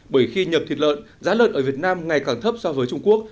bởi khi nhập thịt lợn giá lợn ở việt nam ngày càng thấp so với trung quốc